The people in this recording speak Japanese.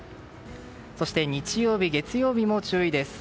そして日曜日、月曜日も注意です。